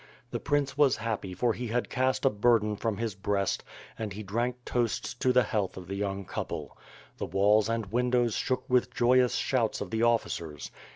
The prince was happy for he had cast a burden from his breast, and he drank toasts to the health of the young couple. The walls and windows shook with joyous shouts of the officers.